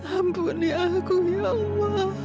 ampuni aku ya allah